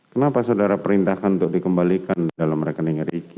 kenapa saudara perintahkan untuk dikembalikan dalam rekening ricky